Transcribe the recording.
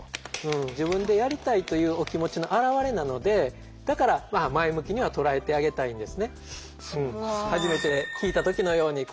自分でやりたいというお気持ちの表れなのでだから前向きには捉えてあげたいんですね。